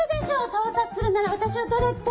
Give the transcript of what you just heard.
盗撮するなら私を撮れって！